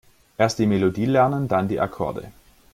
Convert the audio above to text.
Erst die Melodie lernen, dann die Akkorde.